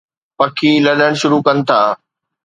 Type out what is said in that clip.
پکي لڏڻ شروع ڪن ٿا